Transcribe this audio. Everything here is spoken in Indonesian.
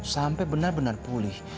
sampai benar benar pulih